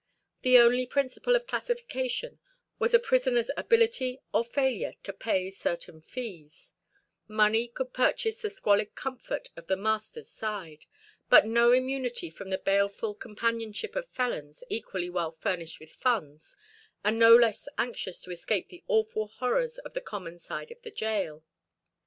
The only principle of classification was a prisoner's ability or failure to pay certain fees; money could purchase the squalid comfort of the master's side, but no immunity from the baleful companionship of felons equally well furnished with funds and no less anxious to escape the awful horrors of the common side of the gaol.